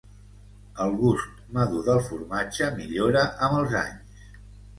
El gust madur del formatge millora amb els anys.